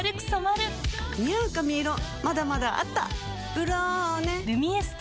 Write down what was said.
「ブローネ」「ルミエスト」